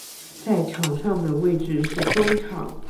在场上的位置是中场。